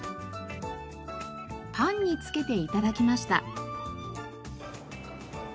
パンにつけて頂きました。